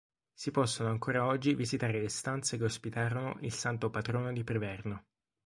Si possono ancora oggi visitare le stanze che ospitarono il santo patrono di Priverno.